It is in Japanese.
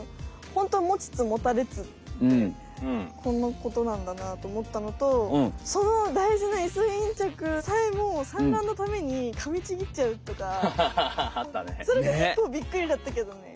ホントもちつもたれつってこのことなんだなと思ったのとそのだいじなイソギンチャクさえも産卵のためにかみちぎっちゃうとかそれもけっこうびっくりだったけどね。